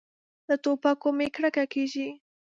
له ټوپکو مې کرکه کېږي.